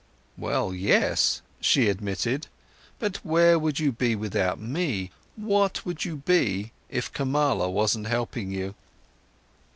"Well yes," she admitted. "But where would you be without me? What would you be, if Kamala wasn't helping you?"